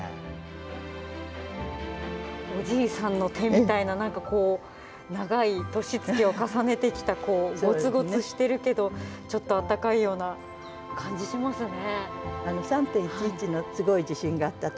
おじいさんの手みたいな長い年月を重ねてきたごつごつしてるけどちょっと温かいような感じしますね。